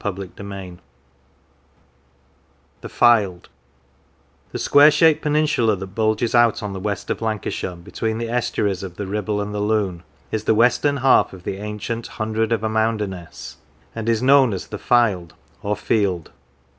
222 CHAPTER XV THE FYLDE THE square shaped peninsula that bulges out on the west of Lancashire between the estuaries of the Ribble and the Lune is the western half of the ancient " Hundred of Amounderness," and is known as the " Fylde," or " field."